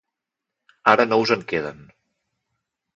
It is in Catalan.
Ara no us en queden.